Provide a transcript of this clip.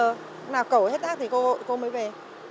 lúc nào cổ hết rác thì cô mới về